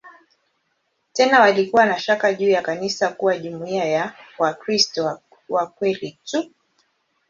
Tena walikuwa na shaka juu ya kanisa kuwa jumuiya ya "Wakristo wa kweli tu".